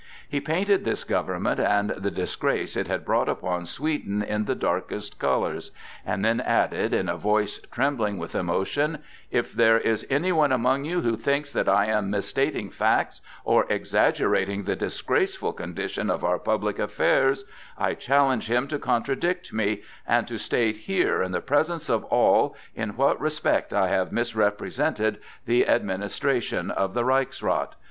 He painted this government and the disgrace it had brought upon Sweden in the darkest colors, and then added, in a voice trembling with emotion: "If there is any one among you who thinks that I am misstating facts or exaggerating the disgraceful condition of our public affairs, I challenge him to contradict me, and to state here in the presence of all in what respect I have misrepresented the administration of the Reichsrath.